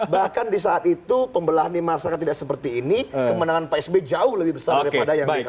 bahkan di saat itu pembelahan di masyarakat tidak seperti ini kemenangan pak sb jauh lebih besar daripada yang di kalangan